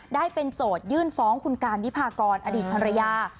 ได้เป็นโจทยื่นฟ้องคุณการวิพากรอดีตภรรยา